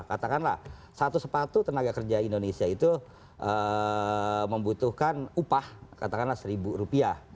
katakanlah satu sepatu tenaga kerja indonesia itu membutuhkan upah katakanlah seribu rupiah